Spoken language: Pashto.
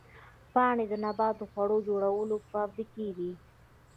پاڼې د نبات د خوړو جوړولو فابریکې دي